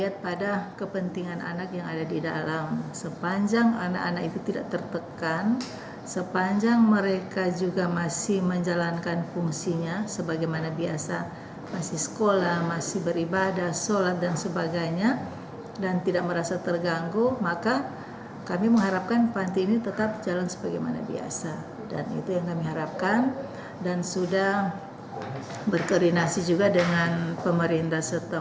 terinasi juga dengan pemerintah setempat